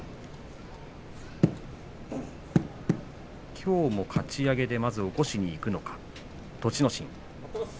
きょうもかち上げで起こしにいくのか栃ノ心。